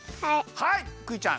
はいクイちゃん。